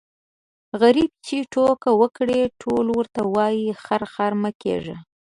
غريب چي ټوکه وکړي ټول ورته وايي خر خر مه کېږه.